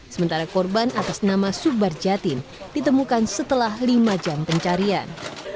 sementara korban atas nama subar jatin ditemukan setelah lima jam pencarian